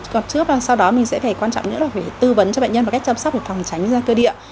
còn trước sau đó mình sẽ phải quan trọng nữa là phải tư vấn cho bệnh nhân về cách chăm sóc và phòng tránh da cơ địa